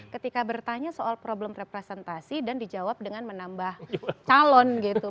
ketika bertanya soal problem representasi dan dijawab dengan menambah calon gitu